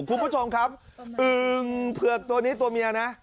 คุณผู้ชมครับอึ่งเผือกตัวนี้ตัวเมียนะ